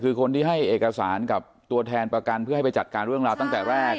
คือคนที่ให้เอกสารกับตัวแทนประกันเพื่อให้ไปจัดการเรื่องราวตั้งแต่แรก